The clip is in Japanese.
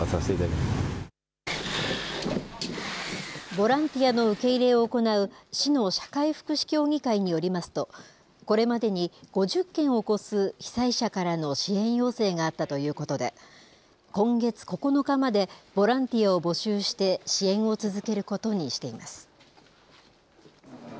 ボランティアの受け入れを行う、市の社会福祉協議会によりますと、これまでに５０件を超す被災者からの支援要請があったということで、今月９日までボランティアを募集して支援を続けることにしています。